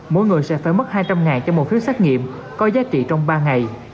mỗi người sẽ phải mất hai trăm linh cho một phiếu xét nghiệm có giá trị trong ba ngày